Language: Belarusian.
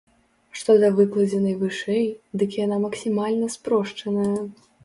Што да выкладзенай вышэй, дык яна максімальна спрошчаная.